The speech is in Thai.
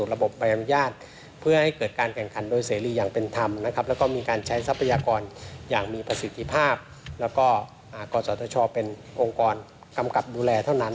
แล้วก็กศชเป็นองค์กรกำกับดูแลเท่านั้น